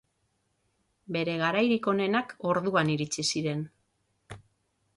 Bere garairik onenak orduan iritsi ziren.